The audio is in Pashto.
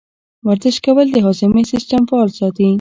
ورزش کول د هاضمې سیستم فعال ساتي.